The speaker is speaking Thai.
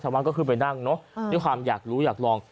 บ้านก็ขึ้นไปนั่งเนอะด้วยความอยากรู้อยากลอง